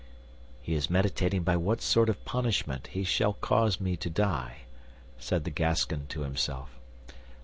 "He is meditating by what sort of punishment he shall cause me to die," said the Gascon to himself.